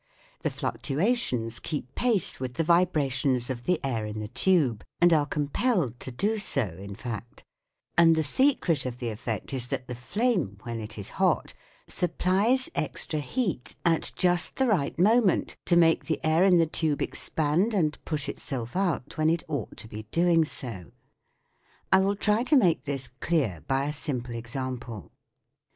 The fluc tuations keep pace with the vibrations of the air in the tube, and are compelled to do so in fact ; and the secret of the effect is that the flame, when it is hot, supplies extra heat at just the right moment to make the air in the tube expand and push itself out when it ought to be doing so. I will try to make this clear by a simple example.